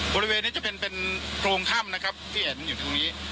บริเวณนี้จะเป็นเป็นโพรงถ้ำนะครับที่เห็นอยู่ตรงนี้